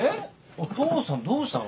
お父さんどうしたの？